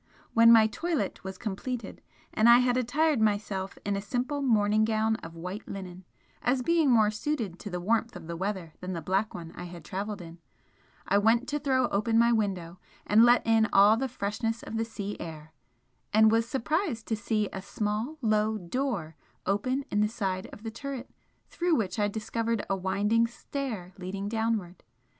When my toilet was completed and I had attired myself in a simple morning gown of white linen, as being more suitable to the warmth of the weather than the black one I had travelled in, I went to throw open my window and let in all the freshness of the sea air, and was surprised to see a small low door open in the side of the turret, through which I discovered a winding stair leading downward.